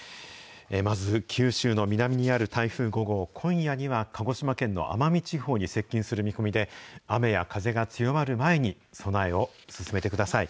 まず、九州の南にある台風５号、今夜には、鹿児島県の奄美地方に接近する見込みで、雨や風が強まる前に備えを進めてください。